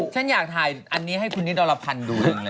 ฉันอยากถ่ายอันนี้ให้คุณนิตรภัณฑ์ดูเลย